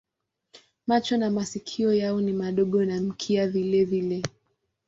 Macho na masikio yao ni madogo na mkia vilevile.